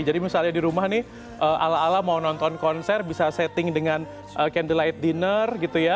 jadi misalnya di rumah nih ala ala mau nonton konser bisa setting dengan candlelight dinner gitu ya